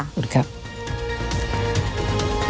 ขอบคุณครับ